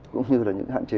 cũng như là những hạn chế